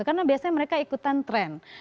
karena biasanya mereka ikutan tren